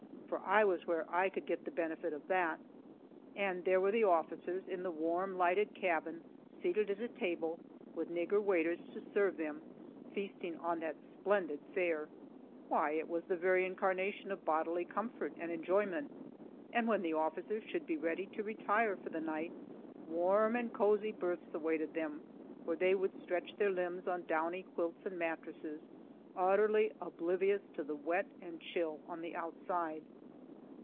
for I was where I could get the benefit of that. And there were the officers, in the warm, lighted cabin, seated at a table, with nigger waiters to serve them, feasting on that splendid fare! Why, it was the very incarnation of bodily comfort and enjoyment! And, when the officers should be ready to retire for the night, warm and cozy berths awaited them, where they would stretch their limbs on downy quilts and mattresses, utterly oblivious to the wet and chill on the outside.